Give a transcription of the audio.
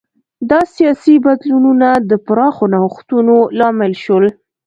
دا سیاسي بدلونونه د پراخو نوښتونو لامل شول.